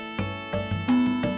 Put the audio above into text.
tidak ada yang bisa diberikan